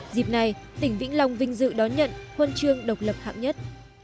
dịp này tỉnh vĩnh long vinh dự đón nhận huân chương độc lập hạng nhất